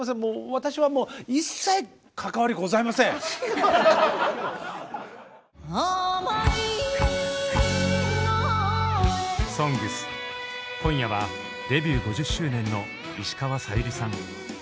私はもう「ＳＯＮＧＳ」今夜はデビュー５０周年の石川さゆりさん。